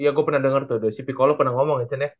iya gue pernah denger tuh si piccolo pernah ngomong